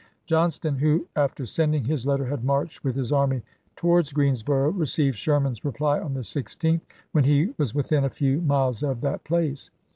Johnston, who after sending his letter had marched with his army towards Greensboro', received Sherman's reply on the 16th, when he was within a few api.imsgs. miles of that place.